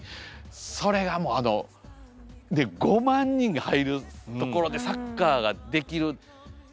それがもうあの５万人が入る所でサッカーができる。